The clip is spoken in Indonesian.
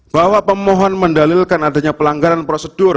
bahwa pemohon mendalilkan adanya pelanggaran prosedur